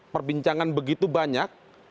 perbincangan begitu banyak